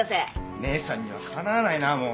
姉さんにはかなわないな。